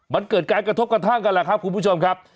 มันเกิดการกระทบกระทั่งกันแหละครับคุณผู้ชมครับ